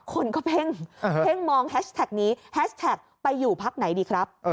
คนก็เพ่งเพ่งมองแฮชแท็กนี้แฮชแท็กไปอยู่พักไหนดีครับ